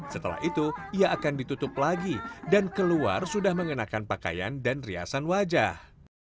setelah itu ia akan ditutup lagi dan keluar sudah mengenakan pakaian dan riasan wajah